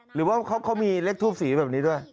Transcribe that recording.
หรือว่าเขามีเลขทูปสีแบบนี้ด้วย